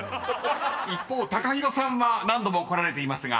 ［一方ＴＡＫＡＨＩＲＯさんは何度も来られていますが］